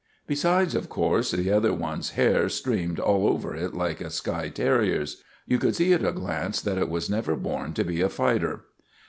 Besides, of course, the other one's hair streamed all over it like a skye terrier's. You could see at a glance that it was never born to be a fighter.